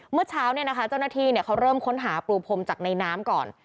เมื่อเช้าเจ้าหน้าที่เขาเริ่มค้นหาปรูพรมจากในน้ำก่อน